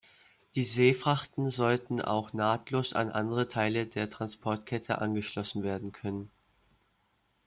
Die Seefrachten sollten auch nahtlos an andere Teile der Transportkette angeschlossen werden können.